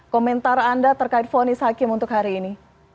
komentar anda terkait fonis hakim untuk hari ini